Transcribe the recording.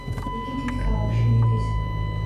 იგი დიდ ქალაქში მიდის.